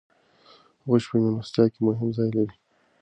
غوښه په میلمستیاوو کې مهم ځای لري.